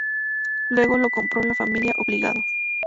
Luego lo compró la familia Obligado.